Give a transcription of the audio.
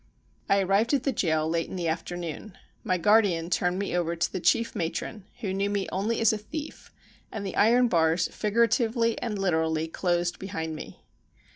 I arrived at the jail late in the afternoon. My guardian turned me over to the chief matron, who knew me only as a thief, and the iron bars figur atively and literally closed behind me.